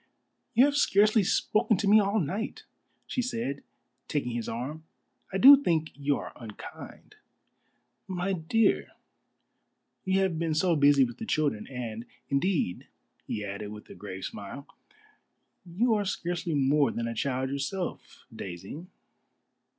"You have scarcely spoken to me all night," she said, taking his arm; "I do think you are unkind." "My dear, you have been so busy with the children. And, indeed," he added, with a grave smile, "you are scarcely more than a child yourself, Daisy."